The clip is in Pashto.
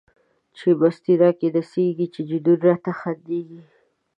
چی مستی را کی نڅیږی، چی جنون راته خندیږی